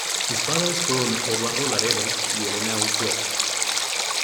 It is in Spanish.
Sus padres fueron Eduardo Laredo y Elena Unzueta.